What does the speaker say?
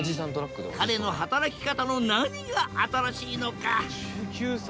彼の働き方の何が新しいのか？